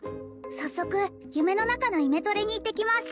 早速夢の中のイメトレに行ってきます